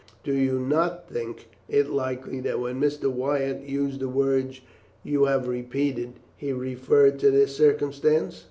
Do you not think it likely that when Mr. Wyatt used the words you have repeated he referred to this circumstance?"